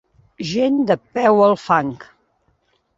Gent de peu al fang.